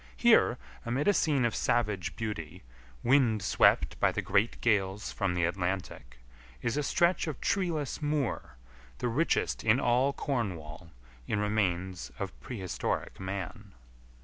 Here, amid a scene of savage beauty, wind swept by the great gales from the Atlantic, is a stretch of treeless moor the richest in all Cornwall in remains of prehistoric man.